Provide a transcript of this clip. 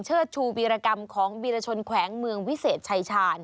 ชูวีรกรรมของวีรชนแขวงเมืองวิเศษชายชาญ